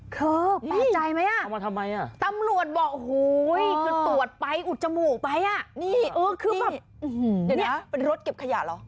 เคแปลกใจไหมอ่ะตำรวจบอกโหยตรวจไปอุดจมูกไปอ่ะคือแบบเป็นรถเก็บขยะหรอ